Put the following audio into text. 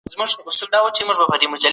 له ډېر خوړلو څخه ډډه وکړئ.